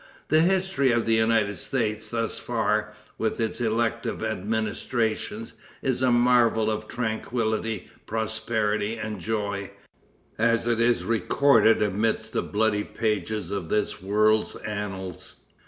The history of the United States thus far, with its elective administrations, is a marvel of tranquillity, prosperity and joy, as it is recorded amidst the bloody pages of this world's annals.